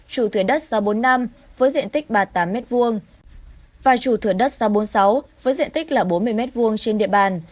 chủ thừa đất xa bốn năm với diện tích ba mươi tám m hai và chủ thừa đất xa bốn mươi sáu với diện tích bốn mươi m hai trên địa bàn